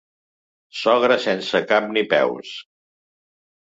Sogre sense cap ni peus.